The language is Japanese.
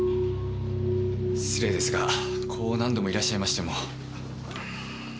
失礼ですがこう何度もいらっしゃいましても。